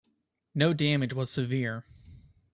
No damage was severe.